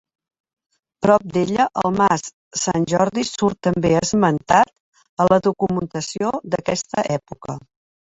Prop d'ella, el mas Sant Jordi surt també esmentat a la documentació d'aquesta època.